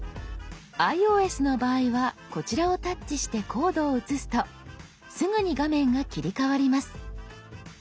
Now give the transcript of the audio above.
ｉＯＳの場合はこちらをタッチしてコードを写すとすぐに画面が切り替わります。